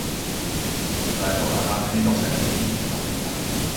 Il va alors la ramener dans sa clinique pour la réparer.